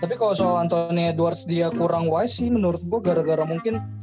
tapi kalau soal antoni edwards dia kurang wise sih menurut gue gara gara mungkin